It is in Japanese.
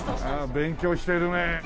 ああ勉強してるね。